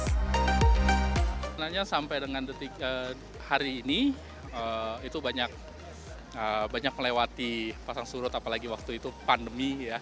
sebenarnya sampai dengan detik hari ini itu banyak melewati pasang surut apalagi waktu itu pandemi ya